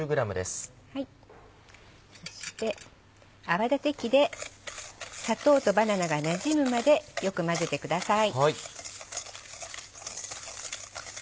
そして泡立て器で砂糖とバナナがなじむまでよく混ぜてください。